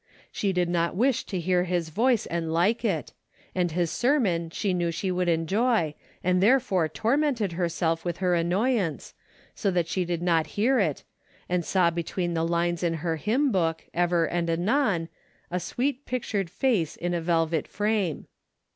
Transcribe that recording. She did not Avish to hear his voice and like it, and his sermon she knew she Avould enjoy and therefore tormented herself with her annoyance, so that she did not hear it, and saw between the lines in her hymn book, ever and anon, a sAA^eet pictured face in a velvet frame.